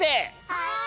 はい！